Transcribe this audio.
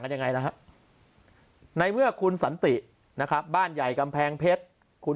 กันยังไงนะครับในเมื่อคุณสันติบ้านใหญ่กำแพงเพชรคุณ